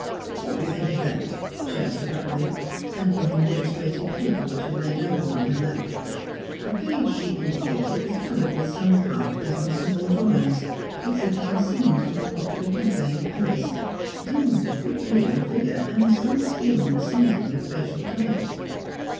"What do you think of that?" she asked abruptly, handing him an illustrated paper which had lain open on her lap. The page she indicated was covered with some half dozen small drawings, exhibiting scenes from a popular cafe in Paris, done with a good deal of vigour, and some skill in the seizing of facial types.